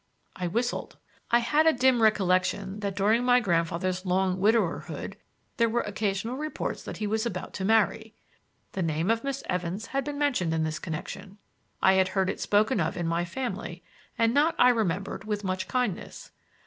I whistled. I had a dim recollection that during my grandfather's long widowerhood there were occasional reports that he was about to marry. The name of Miss Evans had been mentioned in this connection. I had heard it spoken of in my family, and not, I remembered, with much kindness.